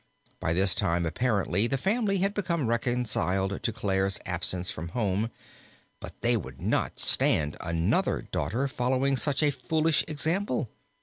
By this time apparently the family had become reconciled to Clare's absence from home, but they would not stand another daughter following such a foolish example.